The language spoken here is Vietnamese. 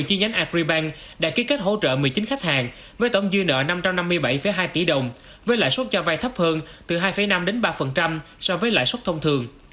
một mươi chi nhánh agribank đã ký kết hỗ trợ một mươi chín khách hàng với tổng dư nợ năm trăm năm mươi bảy hai tỷ đồng